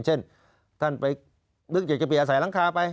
เช่นท่านไปนึกอยากจะเปลี่ยนอาศัยหลังคาไป